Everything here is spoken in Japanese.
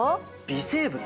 微生物？